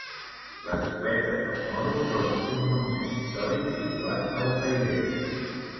Les Covetes dels Moros són un monument històric situat a Bocairent.